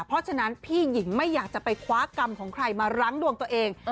เพราะฉะนั้นพี่หญิงไม่อยากจะไปคว้ากรรมของใครมารั้งดวงตัวเอง